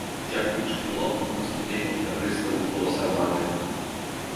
Дзякуючы пілотам наступленне тэрарыстаў было сарванае.